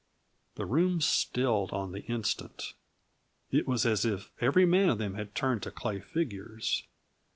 The room stilled on the instant; it was as if every man of them had turned to lay figures.